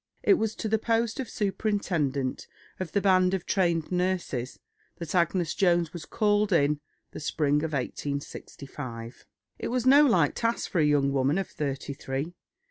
It was to the post of superintendent of the band of trained nurses that Agnes Jones was called in the spring of 1865. It was no light task for a young woman of thirty three.